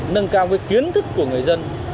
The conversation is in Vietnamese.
nâng cao cái kiến thức của người dân